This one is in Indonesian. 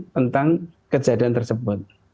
tentang kejadian tersebut